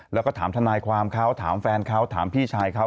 แล้วก็ถามทนายความเขาถามแฟนเขาถามพี่ชายเขา